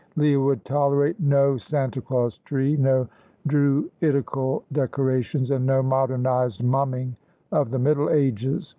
Leah would tolerate no Santa Claus tree, no Druidical decorations, and no modernised mumming of the Middle Ages.